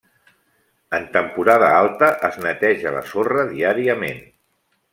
En temporada alta es neteja la sorra diàriament.